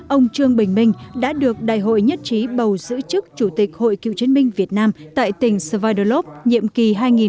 ông trương bình minh đã được đại hội nhất trí bầu giữ chức chủ tịch hội cựu chiến binh việt nam tại tỉnh svilovs nhiệm kỳ hai nghìn một mươi chín hai nghìn hai mươi bốn